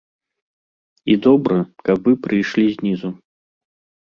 І добра, каб вы прыйшлі знізу.